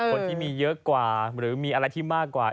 คนที่มีเยอะกว่าหรือมีอะไรที่มากกว่า